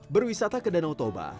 berwisata ke danau toba